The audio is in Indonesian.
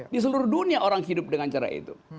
di seluruh dunia orang hidup dengan cara itu